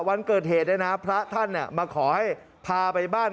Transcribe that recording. วันเกิดเหตุเนี่ยนะพระท่านมาขอให้พาไปบ้าน